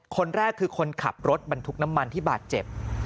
คนแรกคือคนขับรถบรรทุกน้ำมันที่บาดเจ็บ